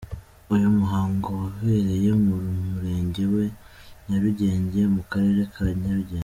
Uyu muhango wabereye mu murenge wa Nyarugenge mu karere ka Nyarugenge.